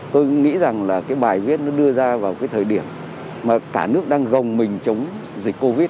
tôi nghĩ rằng bài viết nó đưa ra vào thời điểm mà cả nước đang gồng mình chống dịch covid